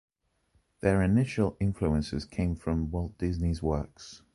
Their initial influences came from Walt Disney’s works.